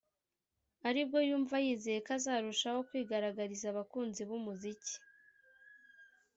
aribwo yumva yizeye ko azarushaho kwigaragariza abakunzi b’umuziki